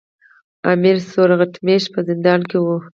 امیر سیورغتمیش په زندان کې وو.